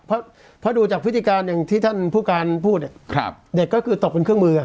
เพราะดูจากพฤติการอย่างที่ท่านผู้การพูดเด็กก็คือตกเป็นเครื่องมือ